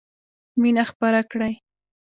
مینه خپره کړئ!